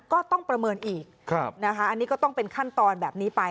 ก็ต้องประเมินอีกอันนี้ก็ต้องเป็นขั้นตอนแบบนี้ไป